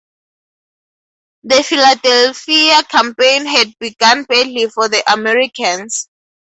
The Philadelphia campaign had begun badly for the Americans.